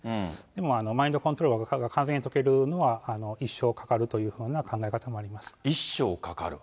でも、マインドコントロールが完全に解けるのは一生かかるというふうな一生かかる？